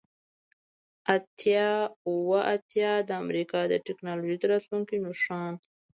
اتیا اوه اتیا د امریکا د ټیکنالوژۍ د راتلونکي نښان